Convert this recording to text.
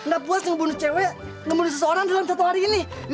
gak puas ngebunuh cewek ngebunuh seseorang dalam satu hari ini